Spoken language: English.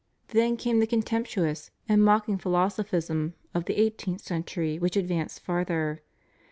Then came the con temptuous and mocking philosophism of the eighteenth century, which advanced farther.